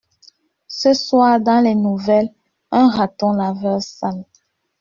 Ce soir dans les nouvelles, un raton laveur sale.